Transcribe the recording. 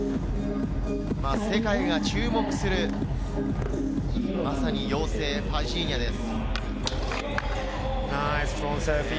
世界が注目するまさに妖精・ファジーニャです。